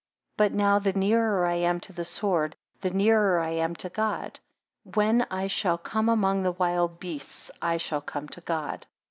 6 But now the nearer I am to the sword, the nearer I am to God: when I shall come among the wild beasts, I shall come to God.